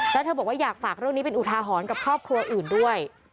แล้วเธอบอกว่าอยากฝากเรื่องนี้เป็นอุทาหรณ์กับครอบครัวอื่นด้วย